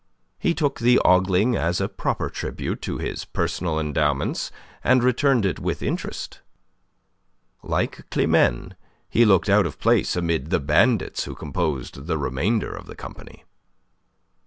He took the ogling as a proper tribute to his personal endowments, and returned it with interest. Like Climene, he looked out of place amid the bandits who composed the remainder of the company.